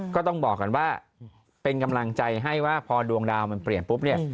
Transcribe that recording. ก็ต้องบอกก่อนว่าเป็นกำลังใจให้ว่าพอดวงดาวมันเปลี่ยนปุ๊บเนี่ย